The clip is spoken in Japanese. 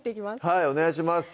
はいお願いします